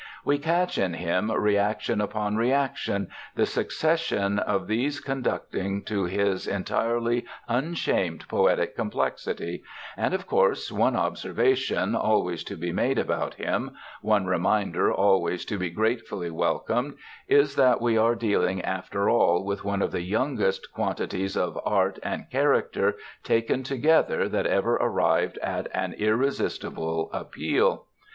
We catch in him reaction upon reaction, the succession of these conducing to his entirely unashamed poetic complexity, and of course one observation always to be made about him, one reminder always to be gratefully welcomed, is that we are dealing after all with one of the youngest quantities of art and character taken together that ever arrived at an irresistible appeal.